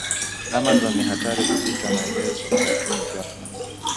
Amazon ni hatari kupita maelezo lakini ghafla